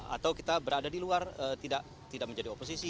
atau kita berada di luar tidak menjadi oposisi